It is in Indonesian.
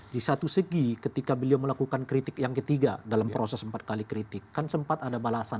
di satu segi ketika beliau melakukan kritik yang ketiga dalam proses empat kali kritik kan sempat ada balasan